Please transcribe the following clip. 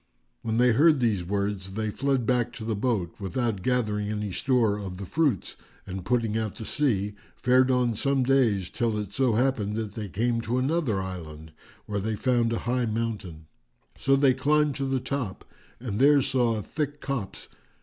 When they heard these words they fled back to the boat, without gathering any store of the fruits and, putting out to sea, fared on some days till it so happened that they came to another island, where they found a high mountain. So they climbed to the top and there saw a thick copse.